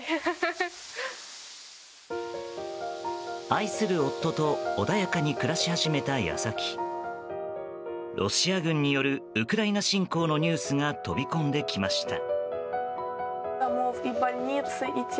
愛する夫と穏やかに暮らし始めた矢先ロシア軍によるウクライナ侵攻のニュースが飛び込んできました。